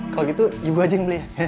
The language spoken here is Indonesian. kalau gitu ibu aja yang beli